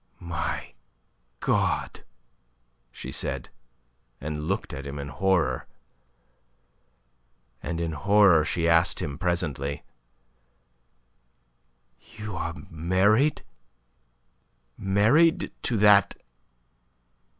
"My God!" she said, and looked at him in horror. And in horror she asked him presently: "You are married married to that